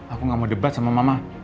aku gak mau debat sama mama